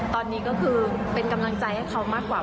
ตอนนี้ก็คือเป็นกำลังใจให้เขามากกว่า